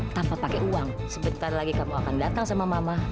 tanpa pakai uang sebentar lagi kamu akan datang sama mama